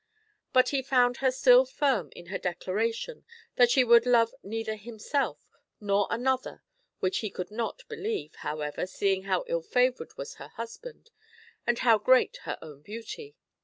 But he found her still firm in her declaration that she would love neither him self nor another, which he could not believe, however, seeing how ill favoured was her hus band, and how great her own beauty.